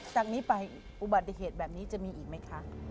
จากนี้ไปอุบัติเหตุแบบนี้จะมีอีกไหมคะ